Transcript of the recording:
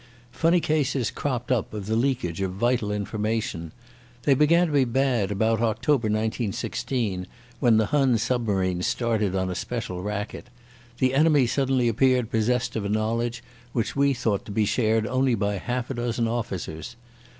Funny cases cropped up of the leakage of vital information. They began to be bad about October 1916, when the Hun submarines started on a special racket. The enemy suddenly appeared possessed of a knowledge which we thought to be shared only by half a dozen officers.